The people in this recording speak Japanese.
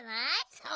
そう！